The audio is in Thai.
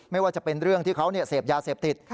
ไม่ว่าจะเป็นเรื่องที่เขาเสพยาเสพติด